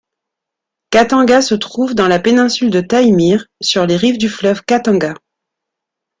Khatanga se trouve dans la péninsule de Taïmyr, sur les rives du fleuve Khatanga.